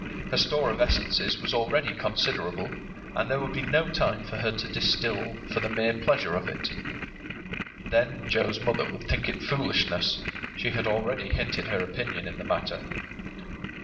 Her store of essences was already considerable, and there would be no time for her to distil for the mere pleasure of it. Then Joe's mother would think it foolishness; she had already hinted her opinion in the matter.